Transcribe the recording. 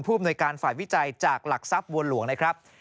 อำนวยการฝ่ายวิจัยจากหลักทรัพย์บัวหลวงนะครับ